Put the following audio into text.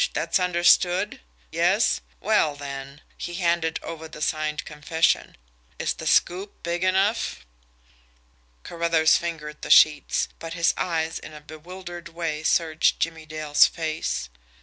That's understood? Yes? Well, then" he handed over the signed confession "is the 'scoop' big enough?" Carruthers fingered the sheets, but his eyes in a bewildered way searched Jimmie Dale's face.